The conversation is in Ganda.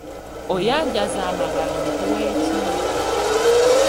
Oyanjaza amagalo nkuwe ki?